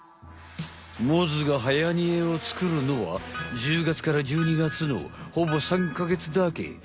モズがはやにえを作るのは１０月から１２月のほぼ３か月だけ。